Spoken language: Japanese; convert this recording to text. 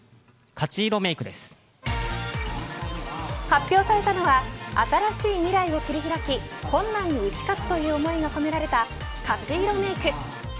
発表されたのは新しい未来を切り開き困難に打ち勝つという思いが込められた勝色メーク。